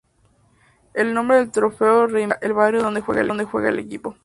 El nombre del trofeo reivindica el barrio donde juega el equipo.